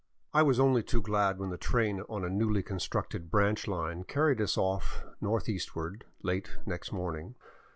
I was only too glad when the train on a newly constructed branch line carried us off northeastward late next morning.